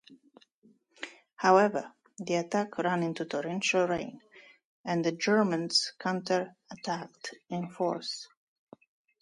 However, the attack ran into torrential rain, and the Germans counterattacked in force.